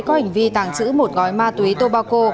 có hành vi tàng trữ một gói ma túy tobacco